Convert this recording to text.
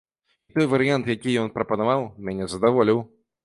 І той варыянт, які ён прапанаваў, мяне задаволіў.